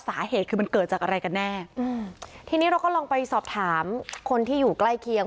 สาเหตุคือมันเกิดจากอะไรกันแน่อืมทีนี้เราก็ลองไปสอบถามคนที่อยู่ใกล้เคียง